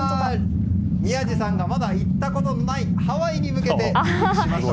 宮司さんがまだ行ったことのないハワイへ向けて離陸しました。